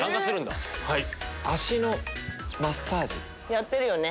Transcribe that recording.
やってるよね